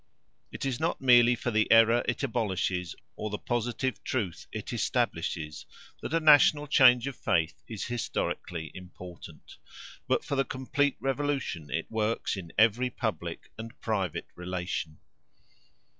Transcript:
It is not merely for the error it abolishes or the positive truth it establishes that a national change of faith is historically important, but for the complete revolution it works in every public and private relation.